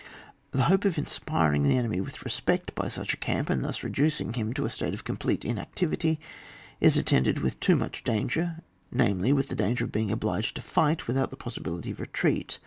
The hope of tn spiring the enemy with respect by such a camp, and thus reducing him to a state of complete inactivity, is attended with too much danger, namely, with the danger of being obliged to fight without the possibility of retreat.